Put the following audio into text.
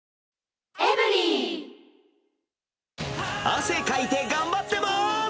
汗かいて頑張っています！